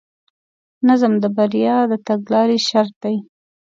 نظم د بریا د تګلارې شرط دی.